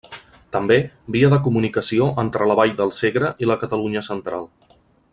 També, via de comunicació entre la vall del Segre i la Catalunya central.